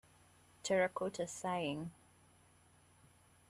Terracotta Sighing